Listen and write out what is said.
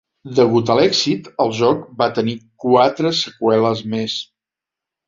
Degut a l"èxit, el joc va tenir quatre seqüeles més.